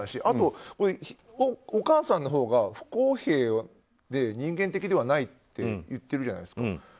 あと、お母さんのほうが不公平で人間的ではないと言ってるじゃないですか。